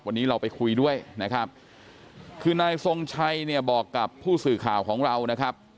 วันนี้เราไปคุยด้วยนะครับคือนายทรงชัยเนี่ยบอกกับผู้สื่อข่าวของเรานะครับ